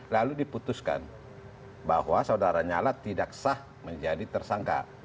lalu diputuskan bahwa saudara nyala tidak sah menjadi tersangka